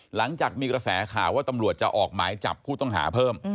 หลังจากมีกระแสข่าวว่าตำรวจจะออกหมายจับผู้ต้องหาเพิ่ม